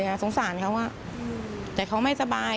โดยต้องสมมุติความสงสารคือติดประกาย